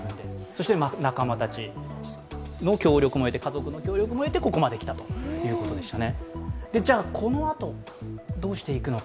そして仲間たちの協力も得て、家族の協力得てここまで来たということでした。